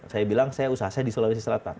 saya bilang saya usaha saya di sulawesi selatan